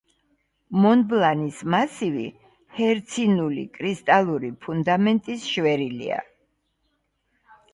მონბლანის მასივი ჰერცინული კრისტალური ფუნდამენტის შვერილია.